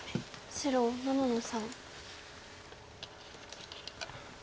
白７の三。